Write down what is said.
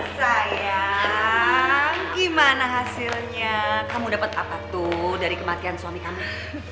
sayang gimana hasilnya kamu dapat apa tuh dari kematian suami kamu